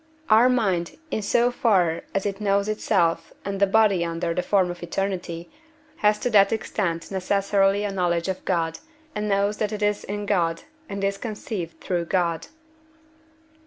Our mind, in so far as it knows itself and the body under the form of eternity, has to that extent necessarily a knowledge of God, and knows that it is in God, and is conceived through God.